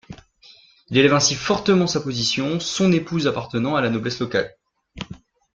Il élève ainsi fortement sa position, son épouse appartenant à la haute noblesse locale.